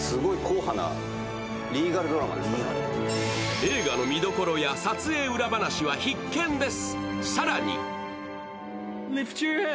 映画の見どころや撮影裏話は必見です。